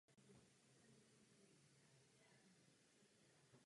Stejně důležité jsou i sociální a etické problémy.